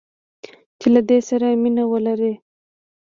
چې له ده سره مینه ولري